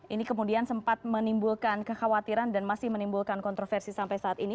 ini kemudian sempat menimbulkan kekhawatiran dan masih menimbulkan kontroversi sampai saat ini